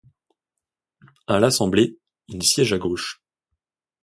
A l'Assemblée, il siège à gauche.